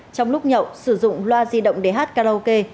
trong lúc nhậu sử dụng loa di động để hát karaoke